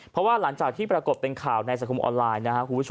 เพราะว่าหลังจากที่ปรากฏเป็นข่าวในสังคมออนไลน์นะครับคุณผู้ชม